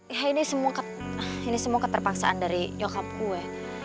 ya ini semua keterpaksaan dari yokab gue